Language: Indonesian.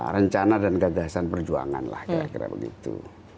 rencana dan gagasan perjuangan lah kira kira begitu